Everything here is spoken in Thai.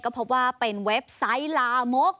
ก็พบว่าเป็นเว็บไซต์ลามก